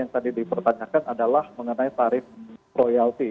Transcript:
yang tadi dipertanyakan adalah mengenai tarif royalti